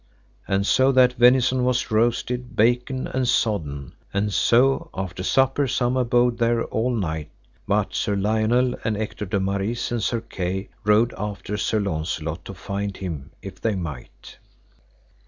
And so that venison was roasted, baken, and sodden, and so after supper some abode there all night, but Sir Lionel and Ector de Maris and Sir Kay rode after Sir Launcelot to find him if they might.